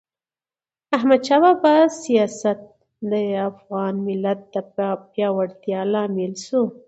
د احمد شاه بابا سیاست د افغان ملت د پیاوړتیا لامل سو.